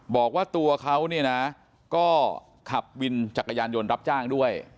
บอกว่าตัวเขาเนี่ยนะก็ขับวินจักรยานยนต์รับจ้างด้วย